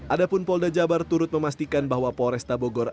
adapun polda jabar turut memastikan bahwa polresta bogor